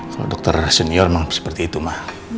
kalau dokter senior memang seperti itu ma